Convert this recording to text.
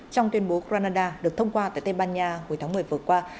trong tuyên bố canada được thông qua tại tây ban nha hồi tháng một mươi vừa qua